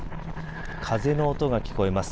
風の音が聞こえます。